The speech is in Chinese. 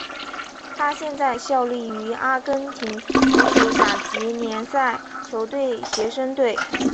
他现在效力于阿根廷足球甲级联赛球队学生队。